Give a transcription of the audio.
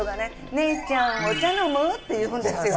「姉ちゃんお茶飲む？」って言うんですよ。